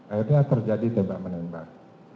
akhirnya terjadi tembak menembak